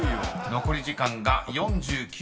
［残り時間が４９秒３３］